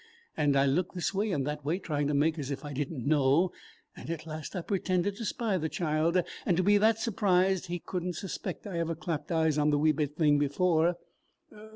And I looked this way and that way, trying to make as if I did n't know; and at last I pretended to spy the child, and to be that surprised he could n't suspect I ever clapped eyes on the wee bit thing before.